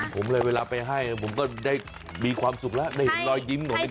ผมเลยเวลาไปให้ผมก็ได้มีความสุขแล้วได้เห็นรอยยิ้มของเด็ก